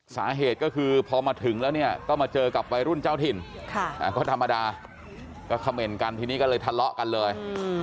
สาเหตุก็คือพอมาถึงแล้วเนี่ยก็มาเจอกับวัยรุ่นเจ้าถิ่นก็ธรรมดาก็เขม่นกันทีนี้ก็เลยทะเลาะกันเลย